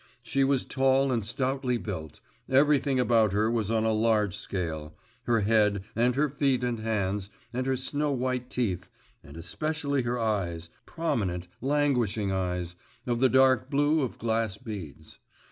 She was tall and stoutly built; everything about her was on a large scale: her head, and her feet and hands, and her snow white teeth, and especially her eyes, prominent, languishing eyes, of the dark blue of glass beads.